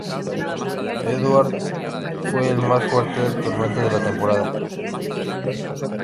Edouard fue la más fuerte tormenta de la temporada.